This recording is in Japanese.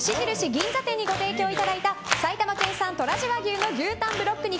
銀座店にご提供いただいた埼玉県産トラジ和牛の牛タンブロック肉